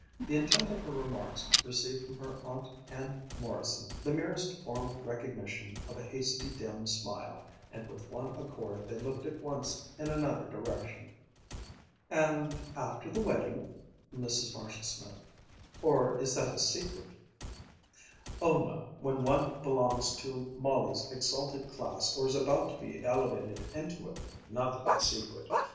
The intent of her remarks received from her aunt and Morrison the merest formal recognition of a hasty, dim smile, and with one accord they looked at once in another direction. "And after the wedding?" Mrs. Marshall Smith inquired "or is that a secret?" "Oh no, when one belongs to Molly's exalted class or is about to be elevated into it, nothing is secret.